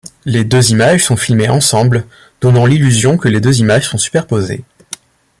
Les deux images sont filmées ensemble donnant l'illusion que les deux images sont superposées.